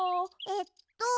えっと